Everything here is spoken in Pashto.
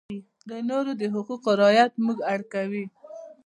د نورو د حقوقو رعایت موږ اړ کوي.